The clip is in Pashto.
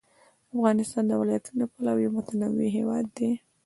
افغانستان د ولایتونو له پلوه یو متنوع هېواد دی.